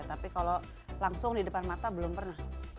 tapi kalau langsung di depan mata belum pernah